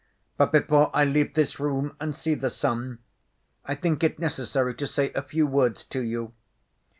But before I leave this room and see the sun I think it necessary to say a few words to you.